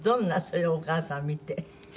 そういうお母さん見て。